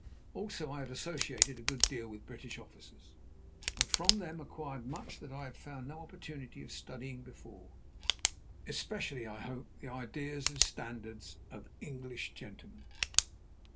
Also I had associated a good deal with British officers, and from them acquired much that I had found no opportunity of studying before, especially, I hope, the ideas and standards of English gentlemen.